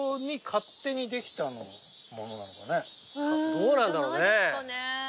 どうなんだろうね？